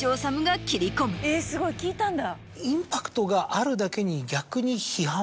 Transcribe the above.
えぇすごい聞いたんだ。